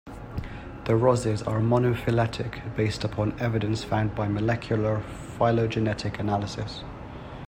The rosids are monophyletic based upon evidence found by molecular phylogenetic analysis.